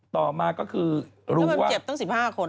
ต่อมาก็คือรู้มันเจ็บตั้ง๑๕คน